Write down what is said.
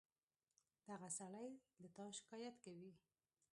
دغه سړى له تا شکايت کوي.